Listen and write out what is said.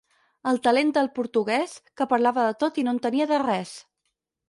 El talent del Portuguès, que parlava de tot i no entenia de res.